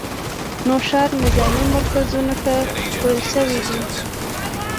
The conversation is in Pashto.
نوښار نظامي مرکزونو ته وړل شوي دي